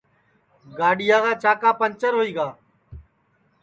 گاڈؔؔیا کا چاکا پنٚجر ہوئی گا